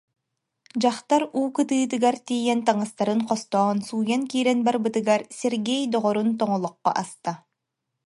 Дьахтар уу кытыытыгар тиийэн таҥастары хостоон, сууйан киирэн барбытыгар Сергей доҕорун тоҥолоххо аста: